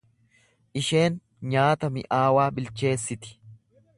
Isheen nyaata mi’aawaa bilcheessiti.